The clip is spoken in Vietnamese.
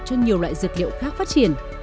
cho nhiều loại dược liệu khác phát triển